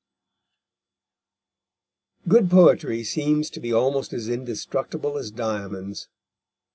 Good poetry seems to be almost as indestructible as diamonds.